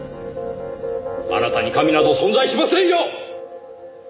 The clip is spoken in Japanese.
あなたに神など存在しませんよ！